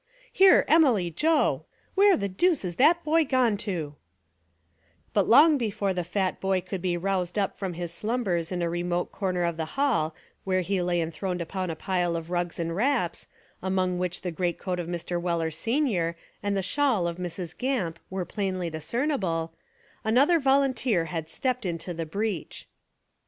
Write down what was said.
Here, Emily, Joe, — where the dooce is that boy gone to " But long before the fat boy could be roused up from his slumbers in a remote corner of the hall where he lay enthroned upon a pile of rugs and wraps, among which the greatcoat of Mr. Weller Senior, and the shawl of Mrs. Gamp were plainly discernible, — another volun teer had stepped into the breach.